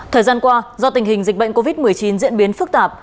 thời gian qua do tình hình dịch bệnh covid một mươi chín diễn biến phức tạp